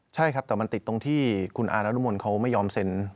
ใช่แต่มันติดตรงที่คุณอาร์น่ารุมมนต์ไม่ยอมเซน